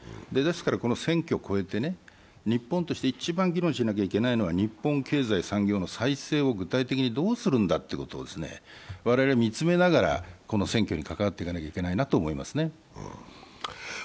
この選挙を超えて日本として一番議論しなければいけないのは日本経済・産業の再生を具体的にどうするのかということを我々は見つめながらこの選挙に関わっていかないといけないと思います。